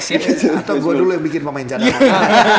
itu gue dulu yang bikin pemain jalanan